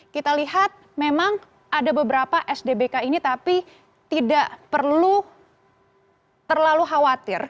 kita lihat memang ada beberapa sdbk ini tapi tidak perlu terlalu khawatir